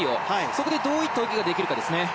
そこで、どういった泳ぎができるかですね。